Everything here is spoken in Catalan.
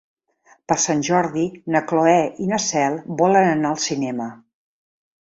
Per Sant Jordi na Cloè i na Cel volen anar al cinema.